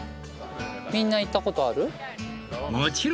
みんな行ったことある？